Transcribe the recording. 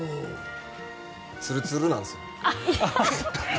ツルツルなんですよ。